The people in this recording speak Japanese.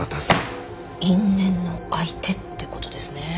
因縁の相手ってことですね。